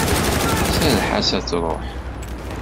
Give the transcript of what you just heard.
Serreḥ-as ad truḥ!